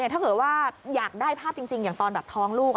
ถ้าเกิดว่าอยากได้ภาพจริงอย่างตอนแบบท้องลูก